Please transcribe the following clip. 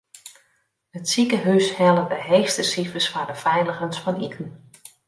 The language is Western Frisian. It sikehús helle de heechste sifers foar de feiligens fan iten.